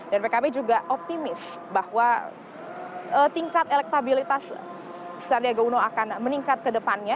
dan pkb juga optimis bahwa tingkat elektabilitas sandiaga uno akan meningkat ke depannya